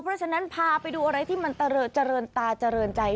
เพราะฉะนั้นพาไปดูอะไรที่มันเจริญตาเจริญใจ